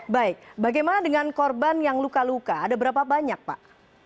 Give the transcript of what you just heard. baik bagaimana dengan korban yang luka luka ada berapa banyak pak